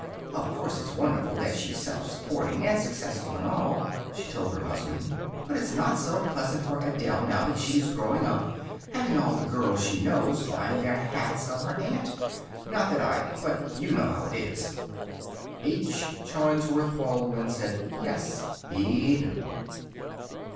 "Of course it's wonderful that she's self supporting and successful and all," she told her husband. "But it's not so pleasant for Adele, now that she's growing up, having all the girls she knows buying their hats of her aunt. Not that I but you know how it is." H. Charnsworth Baldwin said yes, he knew.